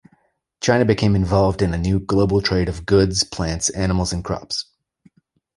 China became involved in a new global trade of goods, plants, animals and crops.